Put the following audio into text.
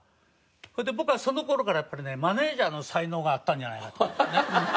それで僕はその頃からやっぱりねマネジャーの才能があったんじゃないかと思うんだよね。